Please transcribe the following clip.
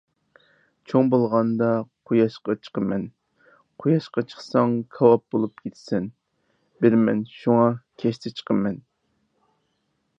_ چوڭ بولغاندا، قۇياشقا چىقىمەن. _ قۇياشقا چىقساڭ، كاۋاپ بولۇپ كېتىسەن. _ بىلىمەن، شۇڭا كەچتە چىقىمەن.